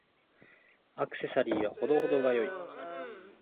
アクセサリーは程々が良い。